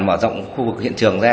mở rộng khu vực hiện trường ra